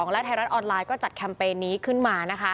และไทยรัฐออนไลน์ก็จัดแคมเปญนี้ขึ้นมานะคะ